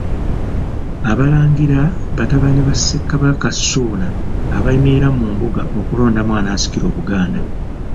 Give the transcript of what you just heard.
Abalangira batabani ba Ssekabaka Ssuuna abaayimirira mu Mbuga okulondamu anaasikira Obuganda.